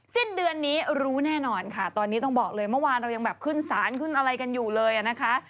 สิ้นเดือนนี้รู้แน่นอนค่ะตอนนี้ต้องบอกเลยเมื่อวานเรายังแบบขึ้นสารขึ้นอะไรกันอยู่เลยอ่ะนะคะ